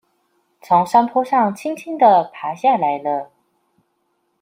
從山坡上輕輕地爬下來了